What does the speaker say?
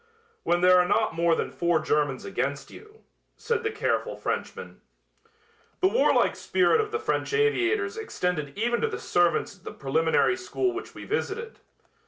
"When there are not more than four Germans against you," said the careful Frenchman. The warlike spirit of the French aviators extended even to the servants at the preliminary school which we visited.